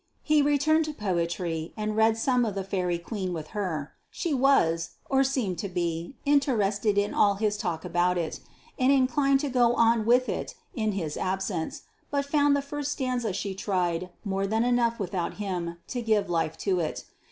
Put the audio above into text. He returned to poetry, and read some of the Faerie Queene with her: she was, or seemed to be, interested in all his talk about it, and inclined to go on with it in his absence, but found the first stanza she tried more than enough without him to give life to it.